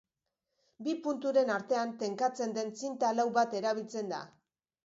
Bi punturen artean tenkatzen den zinta lau bat erabiltzen da.